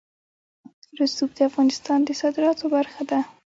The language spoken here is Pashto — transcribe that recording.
رسوب د افغانستان د صادراتو برخه ده.